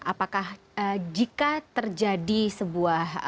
apakah jika terjadi sebuah